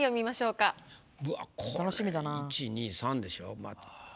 うわっこれ１２３でしょまた。